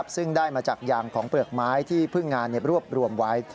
ซึ่งได้มาจากยางของเปลือกไม้ที่พึ่งงานรวบรวมไว้